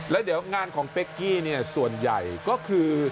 แล้วเดี๋ยวงานของเป๊กกี้เนี่ยส่วนใหญ่ก็คือ